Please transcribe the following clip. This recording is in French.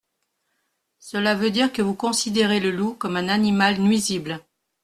Cela veut dire que vous considérez le loup comme un animal nuisible.